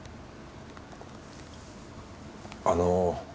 あの。